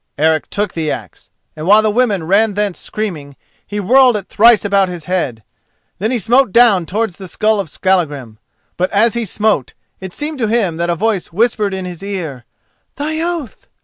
Eric took the axe, and while the women ran thence screaming, he whirled it thrice about his head. Then he smote down towards the skull of Skallagrim, but as he smote it seemed to him that a voice whispered in his ear: "_Thy oath!